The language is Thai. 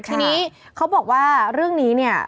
ทีนี้เขาบอกว่าเรื่องนี้เนี่ย